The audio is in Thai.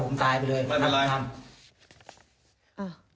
ค่อจาผมไปหลั่งได้เลยแบบนั้นทำ